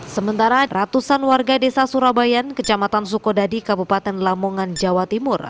sementara ratusan warga desa surabayan kecamatan sukodadi kabupaten lamongan jawa timur